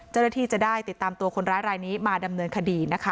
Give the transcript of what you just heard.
เจ้าหน้าที่จะได้ติดตามตัวคนร้ายรายนี้มาดำเนินคดีนะคะ